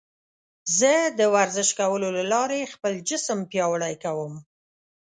زه د ورزش کولو له لارې خپل جسم پیاوړی کوم.